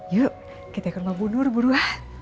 yuk kita ke rumah bu nur buruan